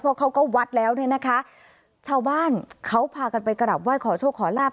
เพราะเขาก็วัดแล้วเนี่ยนะคะชาวบ้านเขาพากันไปกลับไห้ขอโชคขอลาบ